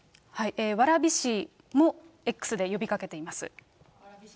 蕨市もＸで呼びかけています。